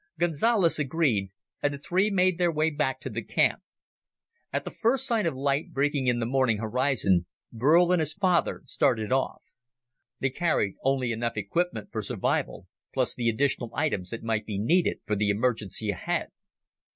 Gonzales agreed and the three made their way back to the camp. At the first sign of light breaking in the morning horizon, Burl and his father started off. They carried only enough equipment for survival, plus the additional items that might be needed for the emergency ahead.